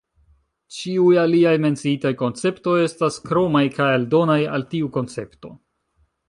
Ĉiuj aliaj menciitaj konceptoj estas kromaj kaj aldonaj al tiu koncepto.